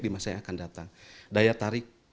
jadi masing masing akan datang